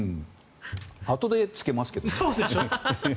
あとでつけますけどね。